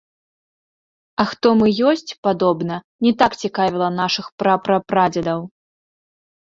А хто мы ёсць, падобна, не так цікавіла нашых пра-пра-прадзедаў.